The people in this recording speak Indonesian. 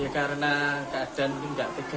karena keadaan ini tidak tega